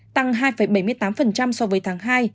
tăng hai bảy mươi tám so với tháng hai